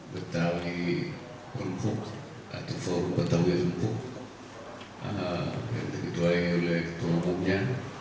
betawi mumpuk atau for betawi mumpuk yang dikeluarkan oleh tumumnya